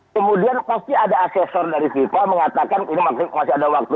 kemudian pasti ada asesor dari fifa mengatakan ini masih ada waktu